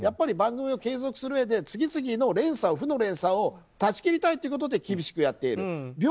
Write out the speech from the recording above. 番組を継続するうえで次々の負の連鎖を断ち切りたいということで厳しくやっている。